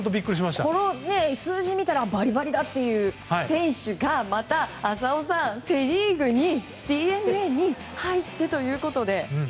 数字を見たら、バリバリという選手がまた浅尾さん、セ・リーグにＤｅＮＡに入ったと。